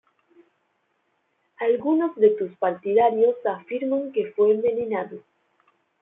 Algunos de sus partidarios afirman que fue envenenado.